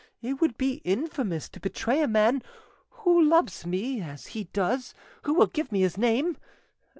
It would be infamous to betray a man who loves me as he does, who will give me his name.